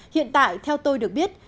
hiện tại theo tôi được biết